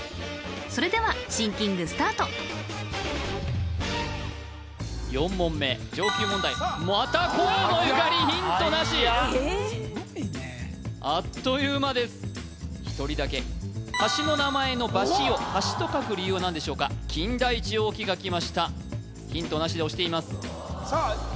それではシンキングスタート４問目上級問題また河野ゆかりヒントなしすごいねあっという間です１人だけ橋の名前の「ばし」を「はし」と書く理由は何でしょうか金田一央紀がきましたヒントなしで押しています